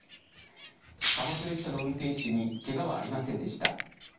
貨物列車の運転手にけがはありませんでした。